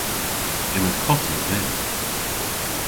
Yma kota dhymm.